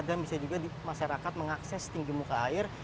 bisa juga masyarakat mengakses tinggi muka air